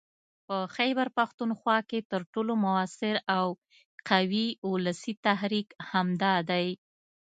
په خيبرپښتونخوا کې تر ټولو موثر او قوي ولسي تحريک همدا دی